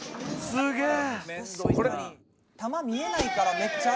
「すげえ！」